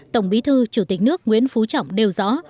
tổng bí thư chủ tịch nước nguyễn phú trọng đều rõ